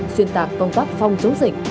xuyên tạc công tác phòng chống dịch